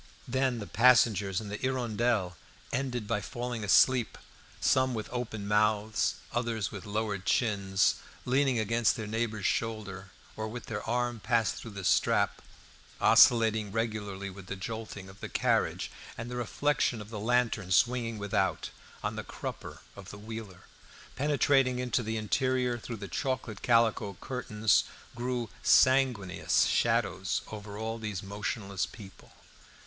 Then the passengers in the "Hirondelle" ended by falling asleep, some with open mouths, others with lowered chins, leaning against their neighbour's shoulder, or with their arm passed through the strap, oscillating regularly with the jolting of the carriage; and the reflection of the lantern swinging without, on the crupper of the wheeler; penetrating into the interior through the chocolate calico curtains, threw sanguineous shadows over all these motionless people.